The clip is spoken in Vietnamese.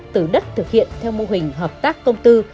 từ đất thực hiện theo mô hình hợp tác công tư